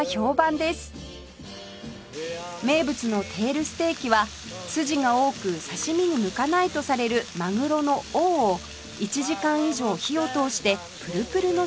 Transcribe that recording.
名物のテールステーキは筋が多く刺し身に向かないとされるマグロの尾を１時間以上火を通してプルプルの食感に